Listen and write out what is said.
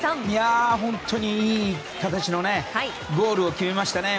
本当にいい形のゴールを決めましたね。